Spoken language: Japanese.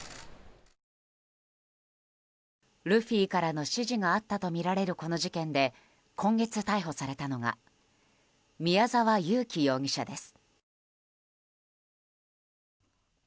ルフィからの指示があったとみられるこの事件で今月逮捕されたのが宮沢優樹容疑者です。